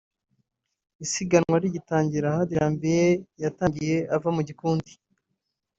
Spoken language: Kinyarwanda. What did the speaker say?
isiganwa rigitangira Hadi Janvier yatangiye ava mu gikundi